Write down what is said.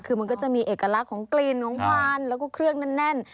คือมันก็จะมีเอกลักษณ์ของกลิ่นของควันแล้วก็เครื่องแน่น